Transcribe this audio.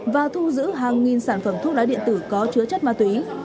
và thu giữ hàng nghìn sản phẩm thuốc lá điện tử có chứa chất ma túy